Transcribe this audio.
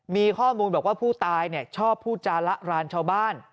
มีข้อมูลบอกว่าผู้ตายชอบพูดจาละรานชาวบ้าน